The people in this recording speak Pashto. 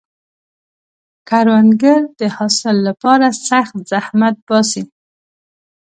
کروندګر د حاصل لپاره سخت زحمت باسي